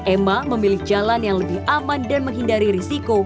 emma memilih jalan yang lebih aman dan menghindari risiko